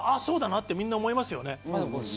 そうだなって、みんな思いますよね。